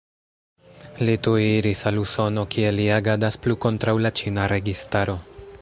Li tuj iris al Usono, kie li agadas plu kontraŭ la ĉina registaro.